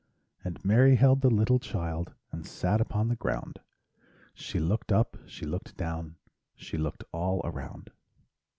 And Mary held the little child And sat upon the ground; She looked up, she looked down, She looked all around.